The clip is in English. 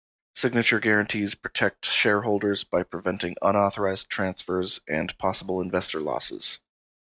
Signature guarantees protect shareholders by preventing unauthorized transfers and possible investor losses.